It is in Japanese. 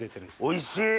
おいしい！